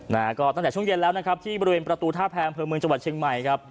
นะฮะก็ตั้งแต่ช่วงเย็นแล้วนะครับที่บริเวณประตูท่าแพงอำเภอเมืองจังหวัดเชียงใหม่ครับ